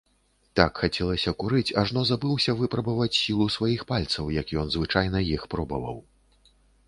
Так хацелася курыць, ажно забыўся выпрабаваць сілу сваіх пальцаў, як ён звычайна іх пробаваў.